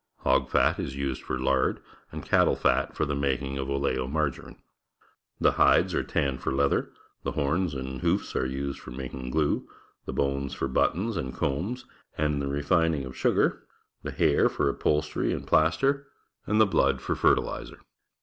Hog fat is used for lard, and cattle fat for the making of oleomargarine. The hides are tanned for leather, the horns and hoofs are used for making glue, the bones for buttons and combs and in the refining of sugar, the hair for upholstery and plaster, and the blood for fertilizer.